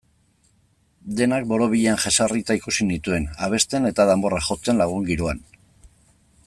Denak borobilean jesarrita ikusi nituen, abesten eta danborrak jotzen, lagun-giroan.